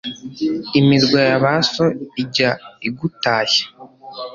Imirwa ya ba so ijya igutashya